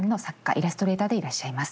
イラストレーターでいらっしゃいます。